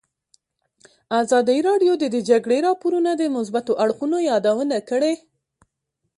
ازادي راډیو د د جګړې راپورونه د مثبتو اړخونو یادونه کړې.